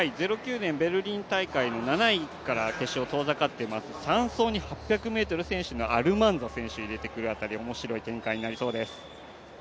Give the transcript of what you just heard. ベルリン大会７位から、決勝は遠ざかっています、３走に８００ｍ選手のアルマンザ選手を入れてくるあたり、面白い展開になると思います。